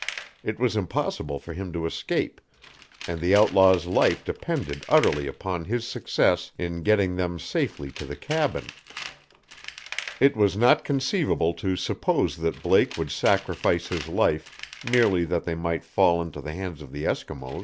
It was impossible for him to escape, and the outlaw's life depended utterly upon his success in getting them safely to the cabin. It was not conceivable to suppose that Blake would sacrifice his life merely that they might fall into the hands of the Eskimos.